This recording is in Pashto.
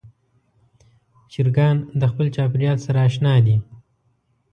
چرګان د خپل چاپېریال سره اشنا دي.